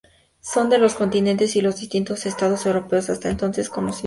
Son de los continentes y los distintos estados europeos hasta entonces conocidos.